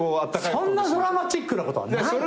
そんなドラマチックなことはない！